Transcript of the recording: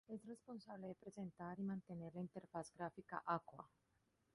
Es responsable de presentar y mantener la interfaz gráfica Aqua.